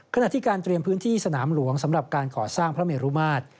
ขณะที่การเตรียมพื้นที่สนามหลวงสำหรับการก่อสร้างพระเมรุมาตร